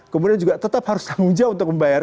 kemudian juga tetap harus tanggung jawab untuk membayar